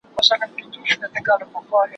هره ورځ به وو دهقان ته پټ په غار کي